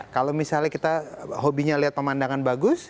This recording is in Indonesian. kalau misalnya kita hobinya lihat pemandangan bagus